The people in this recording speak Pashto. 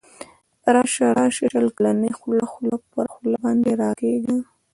راسه راسه شل کلنی خوله خوله پر خوله باندی راکښېږده